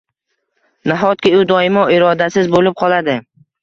Nahotki u doimo irodasiz bo‘lib qoladi?